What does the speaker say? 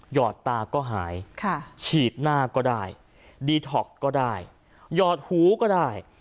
หอดตาก็หายฉีดหน้าก็ได้ดีท็อกก็ได้หยอดหูก็ได้